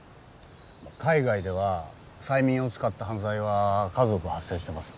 まあ海外では催眠を使った犯罪は数多く発生してます。